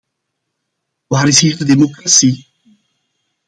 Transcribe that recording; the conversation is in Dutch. Waar is hier de democratie?